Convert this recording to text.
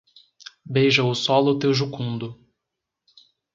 Beija o solo teu jucundo